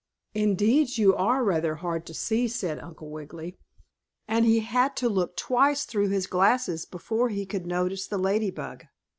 "Indeed, you are rather hard to see," said Uncle Wiggily, and he had to look twice through his glasses before he could notice the Lady Bug.